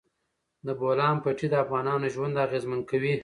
د بولان پټي د افغانانو ژوند اغېزمن کوي.